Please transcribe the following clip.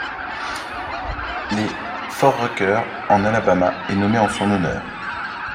Les fort Rucker, en Alabama, est nommé en son honneur.